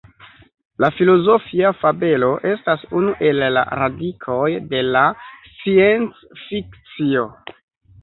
La filozofia fabelo estas unu el la "radikoj" de la sciencfikcio.